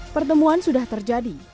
pertemuan sudah terjadi